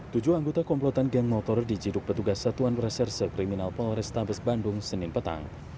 tujuh anggota komplotan geng motor diciduk petugas satuan reserse kriminal polrestabes bandung senin petang